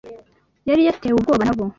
yari yatewe ubwoba na bo.